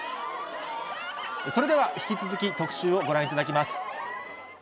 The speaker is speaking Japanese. それでは引き続き、特集をご覧いただきます。